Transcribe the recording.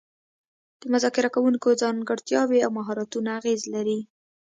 د مذاکره کوونکو ځانګړتیاوې او مهارتونه اغیز لري